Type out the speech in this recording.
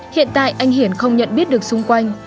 hiện tại anh hiển không nhận biết được xung quanh